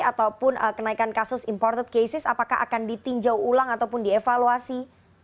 ataupun kenaikan kasus imported cases apakah akan ditinjau ulang ataupun dievaluasi